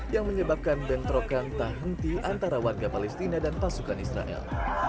yang menyebabkan bentrokan tak henti antara warga palestina dan pasukan israel